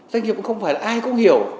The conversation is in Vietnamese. doanh nghiệp cũng không phải ai cũng hiểu